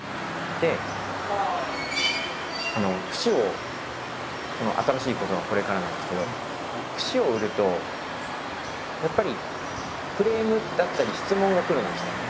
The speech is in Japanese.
で節を新しいことはこれからなんですけど節を売るとやっぱりクレームだったり質問が来るんですよ。